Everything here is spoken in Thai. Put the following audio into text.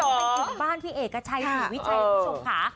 ต้องไปอยู่บ้านพี่เอกชัยสีวิชัยพี่ชมขา